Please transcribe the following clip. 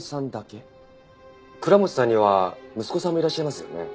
倉持さんには息子さんもいらっしゃいますよね？